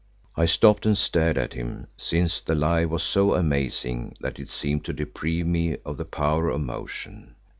I stopped and stared at him, since the lie was so amazing that it seemed to deprive me of the power of motion.